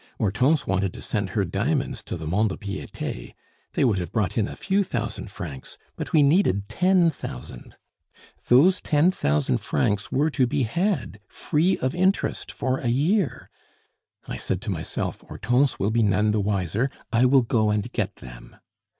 Hortense wanted to send her diamonds to the Mont de Piete; they would have brought in a few thousand francs, but we needed ten thousand. Those ten thousand francs were to be had free of interest for a year! I said to myself, 'Hortense will be none the wiser; I will go and get them.